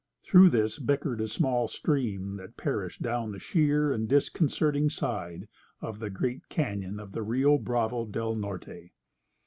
Through this bickered a small stream that perished down the sheer and disconcerting side of the great cañon of the Rio Bravo del Norte.